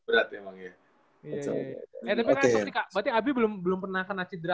tapi kan seperti kak berarti abi belum pernah kena cedera